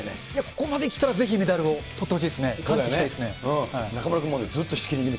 ここまできたらぜひメダルをとってほしいですね。